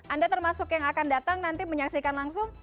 anda termasuk yang akan datang nanti menyaksikan langsung